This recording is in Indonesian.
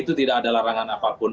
itu tidak ada larangan apapun